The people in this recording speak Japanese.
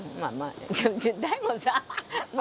大悟さん